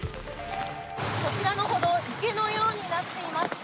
こちらの歩道、池のようになっていますね。